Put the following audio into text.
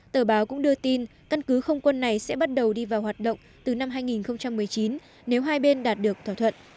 tờ báo cũng đưa tin căn cứ không quân này sẽ bắt đầu đi vào hoạt động từ năm hai nghìn một mươi chín nếu hai bên đạt được thỏa thuận